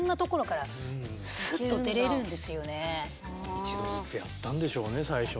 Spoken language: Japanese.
１度ずつやったんでしょうね最初ね。